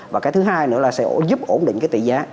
và cái thứ hai nữa là sẽ giúp ổn định cái tỷ giá